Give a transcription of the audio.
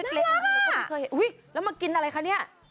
อุ้ยแล้วมันกินอะไรคะเนี่ย